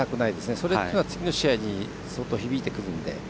それは次の試合に相当、響いてくるので。